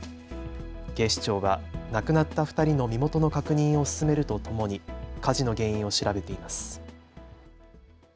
警視庁は亡くなった２人の身元の確認を進めるとともに火事の原因を調べています。